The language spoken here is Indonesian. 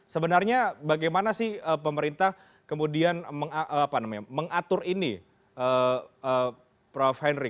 sebenarnya bagaimana sih pemerintah kemudian mengatur ini prof henry